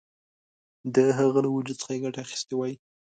د هغه له وجود څخه ګټه اخیستې وای.